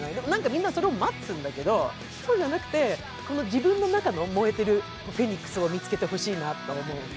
みんなそれを待つんだけどもそうじゃなくて、自分の中に埋もれているフェニックスを見つけてほしいなと思う。